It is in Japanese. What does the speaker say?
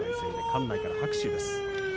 館内から拍手です。